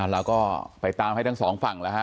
แล้วก็ไปตามให้ทั้งสองฝั่งแล้ว